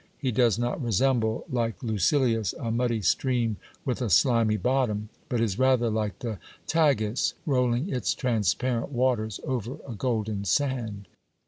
He does not resemble, like Luciliu^ stream with a slimy bottom ; but is rather like the Tagus, rolling its tra. waters over a golden sand.